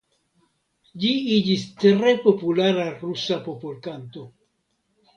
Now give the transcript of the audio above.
Ĝi iĝis tre populara rusa popolkanto.